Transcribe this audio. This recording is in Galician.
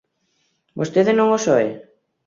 ¿Vostede non os oe?